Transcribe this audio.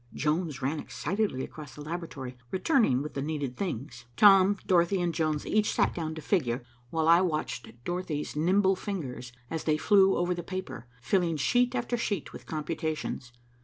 Jones ran excitedly across the laboratory, returning with the needed things. Tom, Dorothy and Jones each sat down to figure while I watched Dorothy's nimble fingers, as they flew over the paper, filling sheet after sheet with computations.